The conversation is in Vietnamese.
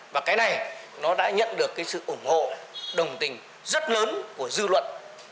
và cái này nó đã nhận được cái sự ủng hộ đồng tình rất lớn của dư luận